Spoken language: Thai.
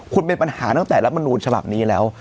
คุณเป็นปัญหาตั้งแต่รัฐมนูลฉบับนี้แล้ว